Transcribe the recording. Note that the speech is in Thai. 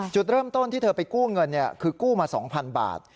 จุดเริ่มต้นที่เธอไปกู้เงินคือกู้มา๒๐๐บาท